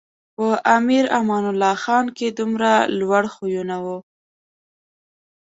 په امیر امان الله خان کې دومره لوړ خویونه و.